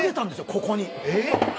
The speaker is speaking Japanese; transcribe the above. ここに！